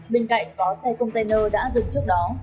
bên cạnh có xe container đã dừng trước đó